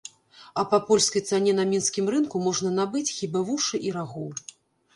А па польскай цане на мінскім рынку можна набыць хіба вушы і рагу.